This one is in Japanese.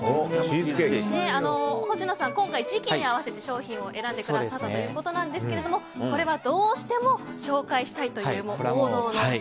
星野さん、今回、時期に合わせて商品を選んでくださったということですがこれはどうしても紹介したいという王道の商品ですね。